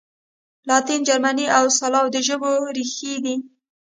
لاتین، جرمني او سلاو د ژبو ریښې دي.